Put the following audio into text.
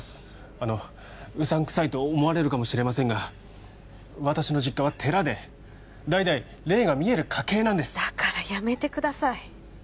あのうさんくさいと思われるかもしれませんが私の実家は寺で代々霊が見える家系なんですだからやめてください